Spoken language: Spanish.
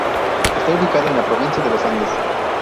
Está ubicado en la Provincia Los Andes.